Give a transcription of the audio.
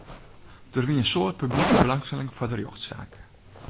Der wie in soad publike belangstelling foar de rjochtsaak.